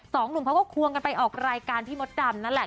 สองหนุ่มเขาก็ควงกันไปออกรายการพี่มดดำนั่นแหละ